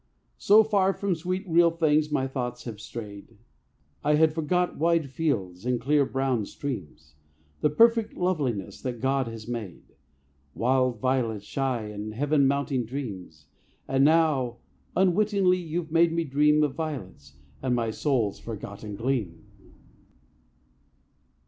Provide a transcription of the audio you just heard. So far from sweet real things my thoughts had strayed, I had forgot wide fields, and clear brown streams; The perfect loveliness that God has made, Wild violets shy and Heaven mounting dreams. And now unwittingly, you've made me dream Of violets, and my soul's forgotten gleam.